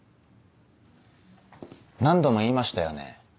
何度も言いましたよね。